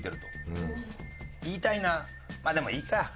言いたいなあまあでもいいか。